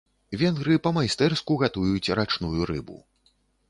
Венгры па-майстэрску гатуюць рачную рыбу.